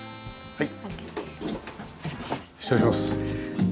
はい。